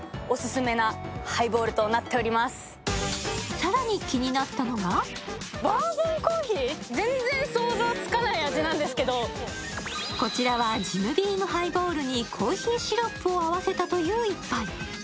更に気になったのはこちらはＪＩＮＢＥＡＭハイボールにコーヒーシロップを合わせたという１杯。